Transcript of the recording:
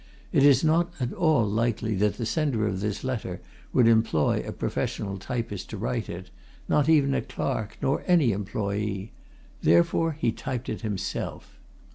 It is not at all likely that the sender of this letter would employ a professional typist to write it, not even a clerk, nor any employé therefore he typed it himself.